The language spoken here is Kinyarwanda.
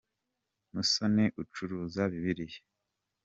Musoni ucuruza bibiliya